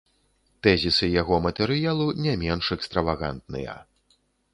Тэзісы яго матэрыялу не менш экстравагантныя.